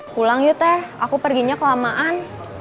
pulang yuk teh aku perginya kelamaan